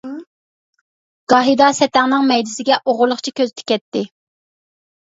گاھىدا سەتەڭنىڭ مەيدىسىگە ئوغرىلىقچە كۆز تىكەتتى.